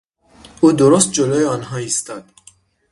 او درست جلو آنها ایستاد.